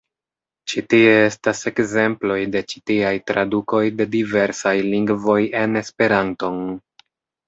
Ĉi tie estas ekzemploj de ĉi tiaj tradukoj de diversaj lingvoj en Esperanton.